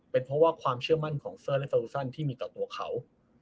เป็นเพราะว่าความเชื่อมั่นของเซอร์และฟาลูซันที่มีต่อตัวเขา